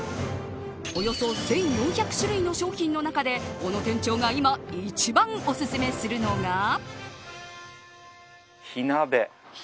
およそ１４００種類の商品の中で小野店長が、今一番お薦めするのが。